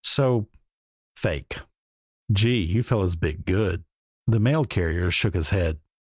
So fake!" "Gee! You fellers bit good." The mail carrier shook his head.